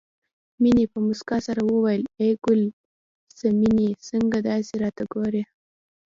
مينې په مسکا سره وویل ای ګل سنمې څنګه داسې راته ګورې